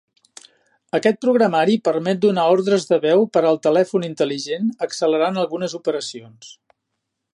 Aquest programari permet donar ordres de veu per al telèfon intel·ligent accelerant algunes operacions.